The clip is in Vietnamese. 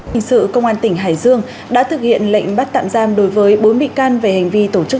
hình sự công an tỉnh hải dương đã thực hiện lệnh bắt tạm giam đối với bốn bị can về hành vi tổ chức